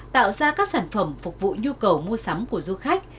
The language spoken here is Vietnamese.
tạo ra các sản phẩm phục vụ nhu cầu mua sắm của du khách